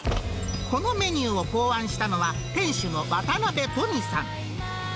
このメニューを考案したのは、店主の渡邊とみさん。